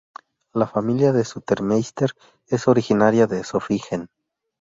La familia de Sutermeister es originaria de Zofingen.